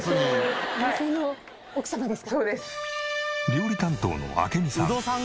料理担当の明美さん。